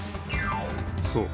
そう。